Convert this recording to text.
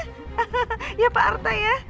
hahaha ya pak arta ya